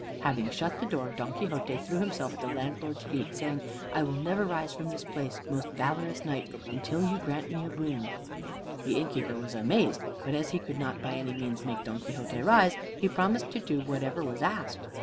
Having shut the door, Don Quixote threw himself at the landlord's feet, saying, "I will never rise from this place, most valorous Knight, until you grant me a boon." The innkeeper was amazed, but as he could not by any means make Don Quixote rise, he promised to do whatever was asked.